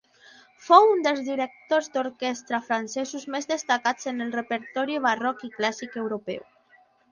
Fou un dels directors d'orquestra francesos més destacats en el repertori barroc i clàssic europeu.